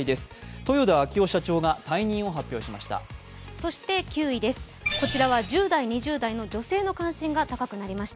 豊田章男社長が退任を発表しました。